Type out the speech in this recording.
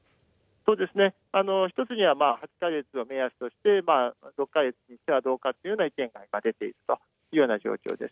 そうですね、一つには８か月を目安にして、６か月にしてはどうかというような意見が出ているというような状況です。